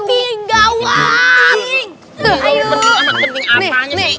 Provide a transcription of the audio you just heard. penting apa penting apa aja sih